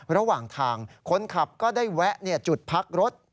ระหว่างทางคนขับก็ได้แวะจุดพักรถ